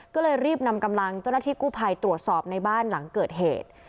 ก็เลยรีบนำกำลังเจ้าหน้าที่กู้ภัยตรวจสอบในบ้านหลังเกิดเหตุ